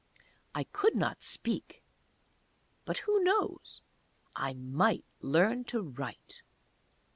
I could not speak but who knows? I might learn to write!